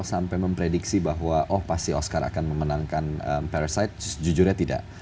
sampai memprediksi bahwa oh pasti oscar akan memenangkan parasite jujurnya tidak